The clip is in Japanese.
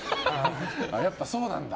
やっぱそうなんだ。